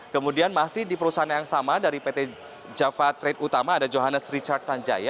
kemudian masih di perusahaan yang sama dari pt java trade utama ada johannes richard tanjaya